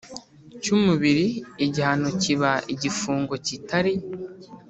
Cy umubiri igihano kiba igifungo kitari